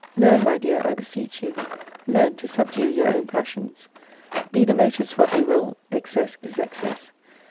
Learn, my dear, I beseech you, learn to subdue your own passions. Be the motives what they will, excess is excess.